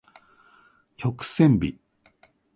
曲線美